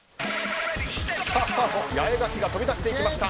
八重樫が飛び出していきました。